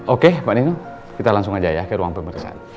oke mbak niru kita langsung aja ya ke ruang pemeriksaan